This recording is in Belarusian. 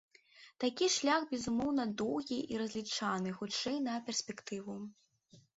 Такі шлях, безумоўна, доўгі, і разлічаны, хутчэй, на перспектыву.